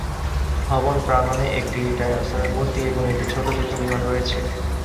ভবন প্রাঙ্গণে একটি ডাইনোসরের মূর্তি এবং একটি ছোট যুদ্ধ বিমান রয়েছে।